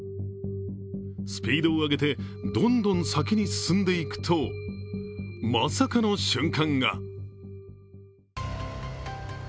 スピードを上げて、どんどん先に進んでいくと、まさかの瞬間が。